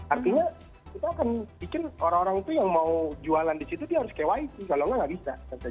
artinya kita akan bikin orang orang itu yang mau jualan di situ dia harus kyt kalau nggak bisa